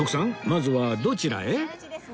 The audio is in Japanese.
まずはどちらへ？